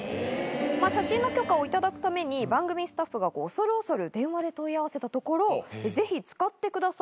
写真の許可を頂くために番組スタッフが恐る恐る電話で問い合わせたところ。